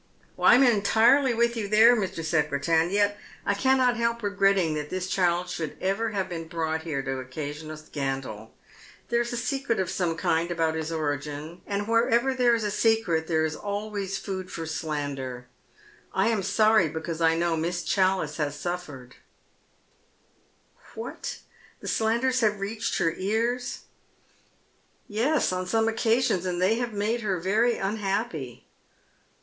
" I am entirely with you there, Mr. Secretan, yet I cannot help regretting that this child should have ever been brought here t» occasion a scandal. There is a secret of some kind about his origin, and wherever there is a secret there is always food for elander. I am eony becauaa I know Miss Challice has Buffered, Village Slander. 249 What, the slanders have reached her ears ?"" Yes, on some occasions, and they have made her very Unhappy."